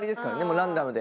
ランダムで。